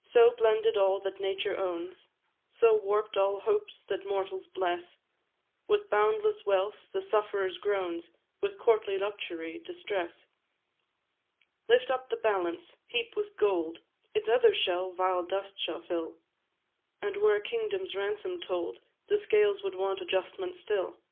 "So, blended all that nature owns, So, warp'd all hopes that mortals bless With boundless wealth, the sufferer's groans; With courtly luxury, distress. "Lift up the balance heap with gold, Its other shell vile dust shall fill; And were a kingdom's ransom told, The scales would want adjustment still.